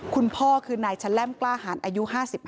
คุณพ่อคือนายชะแล่มกล้าหารอายุ๕๕